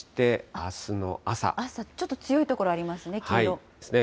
朝、ちょっと強い所ありますね。